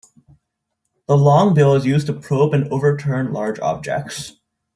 The long bill is used to probe and overturn large objects.